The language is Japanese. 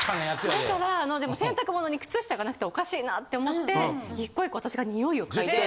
だからあのでも洗濯物に靴下がなくておかしいなと思って１個１個私が臭いを嗅いで。